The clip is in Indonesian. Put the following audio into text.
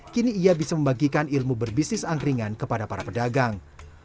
kini ia bisa membagikan ilmu berbisnis angkringan kepada para pedagang